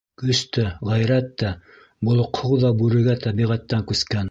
Көс тә, ғәйрәт тә, болоҡһоу ҙа бүрегә тәбиғәттән күскән.